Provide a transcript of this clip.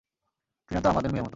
টিনা তো আমাদের মেয়ের মতো।